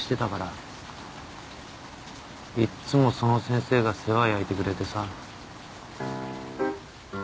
いっつもその先生が世話焼いてくれてさ。